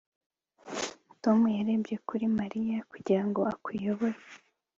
Tom yarebye kuri Mariya kugira ngo akuyobore